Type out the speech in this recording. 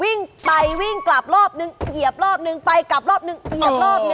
วิ่งไปวิ่งกลับรอบนึงเหยียบรอบนึงไปกลับรอบนึงเหยียบรอบหนึ่ง